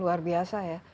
luar biasa ya